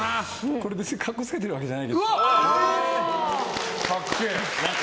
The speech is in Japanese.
これ別に格好つけてるわけじゃないけど。